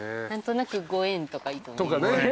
何となく５円とか。とかね。